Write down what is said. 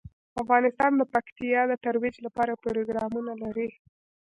افغانستان د پکتیا د ترویج لپاره پروګرامونه لري.